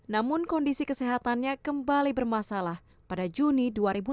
namun kondisi kesehatannya kembali bermasalah pada juni dua ribu dua puluh